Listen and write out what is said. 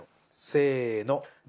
せの。